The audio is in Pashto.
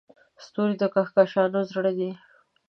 ستوري د کهکشانونو زړه دي.